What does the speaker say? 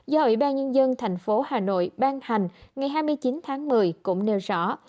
do ủy ban nhân dân thành phố hà nội ban hành ngày hai mươi chín tháng một mươi cũng nêu rõ